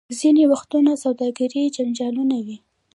ځینې وختونه سوداګریز جنجالونه وي.